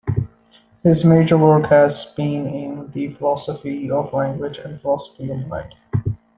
His major work has been in the philosophy of language and philosophy of mind.